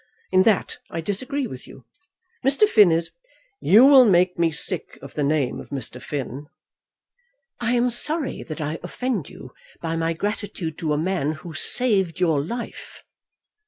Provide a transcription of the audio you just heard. In that I disagree with you. Mr. Finn is " "You will make me sick of the name of Mr. Finn." "I am sorry that I offend you by my gratitude to a man who saved your life."